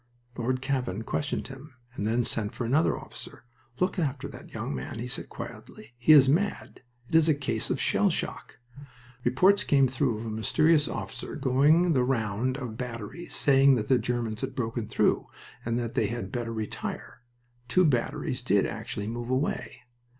Lord Cavan questioned him, and then sent for another officer. "Look after that young man," he said, quietly. "He is mad. It is a case of shell shock." Reports came through of a mysterious officer going the round of the batteries, saying that the Germans had broken through and that they had better retire. Two batteries did actually move away.